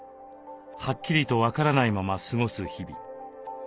はっきりと分からないまま過ごす日々。